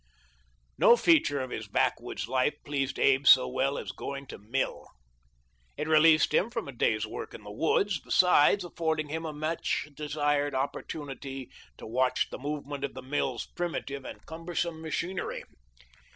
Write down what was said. No feature of his backwoods life pleased Abe so well as going to mill. It released him from a day's work in the woods, besides affording him a much desired opportunity to watch the movement of the mill's primitive and cumbersome machinery.